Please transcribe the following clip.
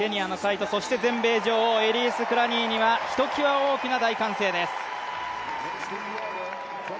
全米女王、クラニーにはひときわ大きな大歓声です。